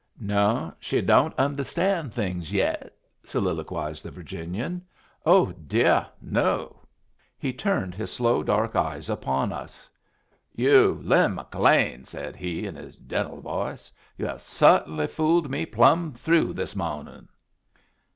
"No, she don't understand things yet," soliloquized the Virginian. "Oh dear, no." He turned his slow, dark eyes upon us. "You Lin McLean," said he, in his gentle voice, "you have cert'nly fooled me plumb through this mawnin'."